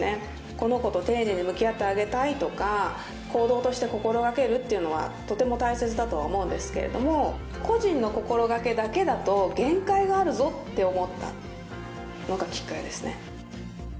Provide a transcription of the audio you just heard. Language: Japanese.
この子と丁寧に向き合ってあげたいとか行動として心がけるっていうのはとても大切だとは思うんですけれども個人の心がけだと限界があるぞって思ったのがきっかけですね